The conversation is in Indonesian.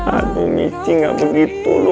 aduh michi ga begitu lu